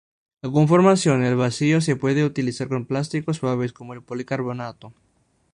La conformación al vacío se puede utilizar con plásticos suaves como el policarbonato.